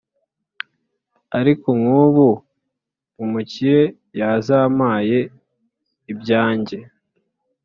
Ariko nkubu umukire yazampaye ibyange